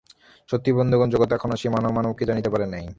সত্যই বন্ধুগণ, জগৎ এখনও সেই মহামানবকে জানিতে পারে নাই।